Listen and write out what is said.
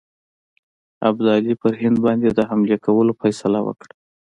ابدالي پر هند باندي د حملې کولو فیصله وکړه.